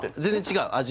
全然違う？